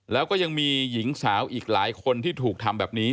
แล้วก็ยังมีหญิงสาวอีกหลายคนที่ถูกทำแบบนี้